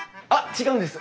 違うんです。